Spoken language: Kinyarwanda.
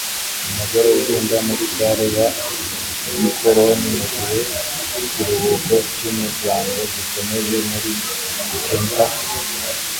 Umugore ugenda muri salle ya gikoroni mugihe ikiruhuko cyumuryango gikomeje muri Kentucky